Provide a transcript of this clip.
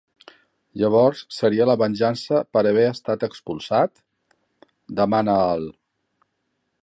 Llavors seria la venjança per haver estat expulsat? —demana el